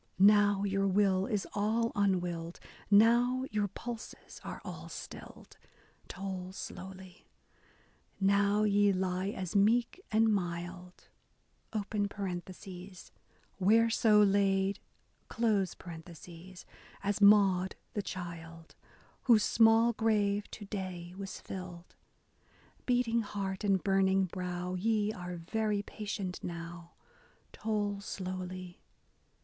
BROWNING Now, your will is all unwilled — now, your pulses are all stilled! Toll slowly. Now, ye lie as meek and mild (whereso laid) as Maud the child, Whose small grave to day was filled. Beating heart and burning brow, ye are very patient now, Toll slowly.